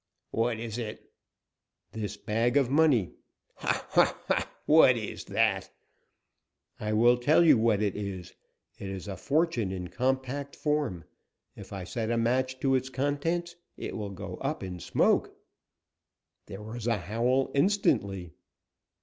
"What is it?" "This bag of money." "Ha! ha! ha! What is that?" "I will tell you what it is. It is a fortune in compact form. If I set a match to its contents it will go up in smoke." There was a howl instantly.